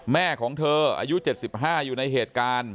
แม่ของเธออายุ๗๕อยู่ในเหตุการณ์